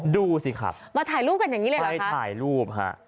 ดูสิครับไปถ่ายรูป